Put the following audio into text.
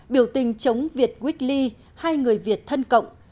biểu tình chống việt quýt ly hay người việt thân cộng